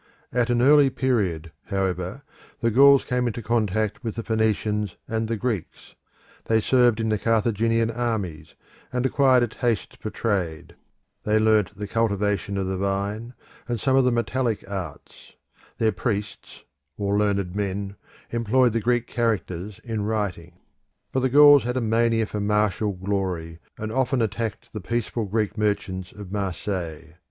At an early period, however, the Gauls came into contact with the Phoenicians and the Greeks; they served in the Carthaginian armies, and acquired a taste for trade; they learnt the cultivation of the vine, and some of the metallic arts; their priests, or learned men, employed the Greek characters in writing. But the Gauls had a mania for martial glory, and often attacked the peaceful Greek merchants of Marseilles.